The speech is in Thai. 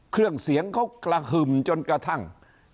เครื่องเสียงเขากระหึ่มจนกระทั่ง